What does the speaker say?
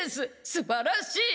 すばらしい！